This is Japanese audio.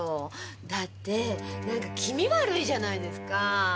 だって何か気味悪いじゃないですか。